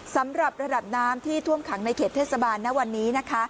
สำหรับระดับน้ำที่ท่วมขังในเขตเทศบาลณวันนี้นะคะ